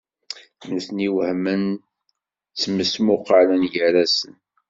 Nutni wehmen, ttmesmuqalen gar-asen.